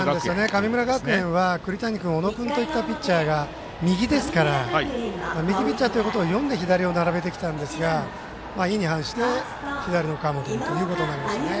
神村学園は栗谷君、小野君といったピッチャーが右ですから右ピッチャーということを読んで左を並べてきたんですが意に反して、左の川本君ということになりましたね。